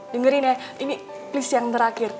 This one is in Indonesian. dengerin ya ini please yang terakhir